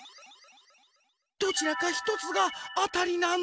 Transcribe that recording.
どちらかひとつがあたりなの。